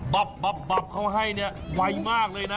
บับเขาให้เนี่ยไวมากเลยนะ